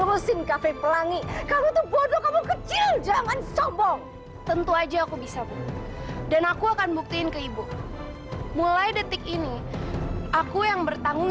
udah mi tenang mi tenang